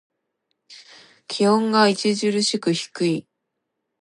気温が著しく低い。